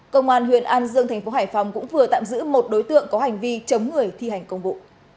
công an huyện an dương thành phố hải phòng cũng vừa tạm giữ một đối tượng có hành vi chống người thi hành công vụ